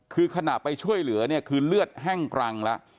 คือขณะไปช่วยเหลือคือเลือดแห้งกลางละ